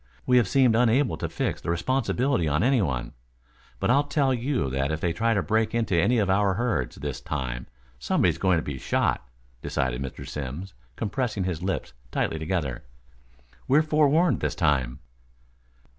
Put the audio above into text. We have seemed unable to fix the responsibility on anyone. But I'll tell you that if they try to break into any of our herds this time, somebody is going to be shot," decided Mr. Simms, compressing his lips tightly together. "We're forewarned this time."